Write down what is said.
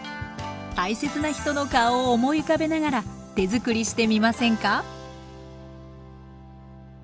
大切な人の顔を思い浮かべながら手づくりしてみませんか？